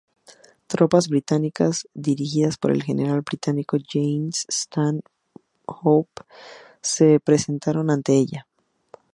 Tropas británicas dirigidas por el general británico James Stanhope se presentaron ante ella.